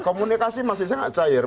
komunikasi masih sangat cair